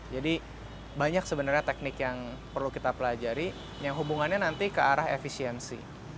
jadi banyak sebenarnya teknik yang perlu kita pelajari yang hubungannya nanti ke arah efisiensi